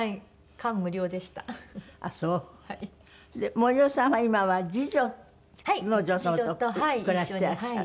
森尾さんは今は次女のお嬢様と暮らしてらっしゃる。